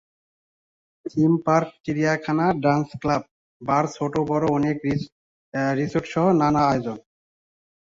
Theme park, চিড়িয়াখানা, dance club, bar, ছোটবড় অনেক বিচ রিসোর্টসহ নানা আয়োজন।